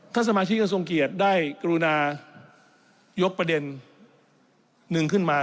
สมาชิกกระทรงเกียจได้กรุณายกประเด็นหนึ่งขึ้นมา